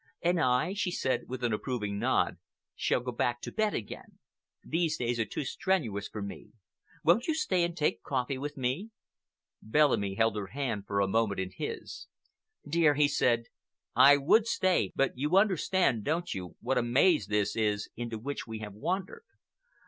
"And I," she said, with an approving nod, "shall go back to bed again. These days are too strenuous for me. Won't you stay and take your coffee with me?" Bellamy held her hand for a moment in his. "Dear," he said, "I would stay, but you understand, don't you, what a maze this is into which we have wandered.